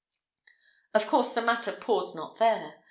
Of course the matter paused not here.